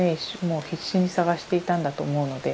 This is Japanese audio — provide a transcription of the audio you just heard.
もう必死に探していたんだと思うので。